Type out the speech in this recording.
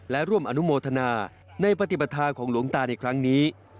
และร่วมอนุโมทนาในปฏิบัติธาของหลวงตาในครั้งนี้